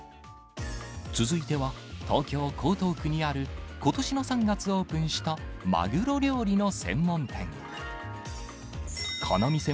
続いては、東京・江東区にある、ことしの３月オープンした、マグロ料理の専門店。